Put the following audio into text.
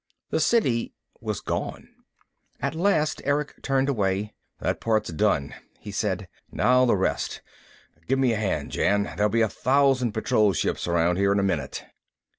The City was gone. At last Erick turned away. "That part's done," he said. "Now the rest! Give me a hand, Jan. There'll be a thousand patrol ships around here in a minute."